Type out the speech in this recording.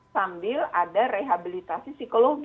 sambil ada rehabilitasi psikologi